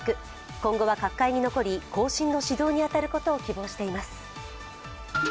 今後は角界に残り後進の指導に当たることを希望しています。